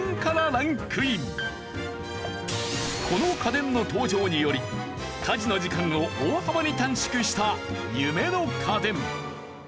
この家電の登場により家事の時間を大幅に短縮した夢の家電。